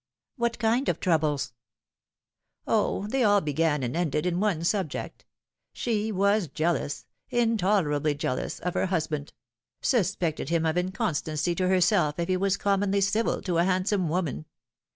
" What kind of troubles ?" "O, they all began and ended in one subject. She was jealous, intolerably jealous, of her husband ; suspected him of inconstancy to herself if he was commonly civil to a handsome woman.